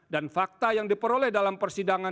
dan fakta yang diperoleh dalam persidangan